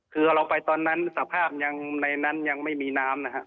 คือเราไปตอนนั้นสภาพยังในนั้นยังไม่มีน้ำนะฮะ